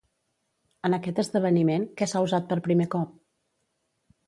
En aquest esdeveniment, què s'ha usat per primer cop?